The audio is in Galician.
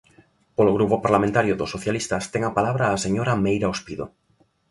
Polo Grupo Parlamentario dos Socialistas, ten a palabra a señora Meira Ospido.